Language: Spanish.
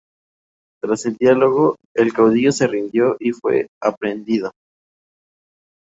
Tras el diálogo, el caudillo se rindió y fue aprehendido.